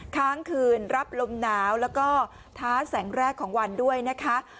ค้างคืนรับลมหนาวแล้วก็ท้าแสงแรกของวันด้วยนะคะ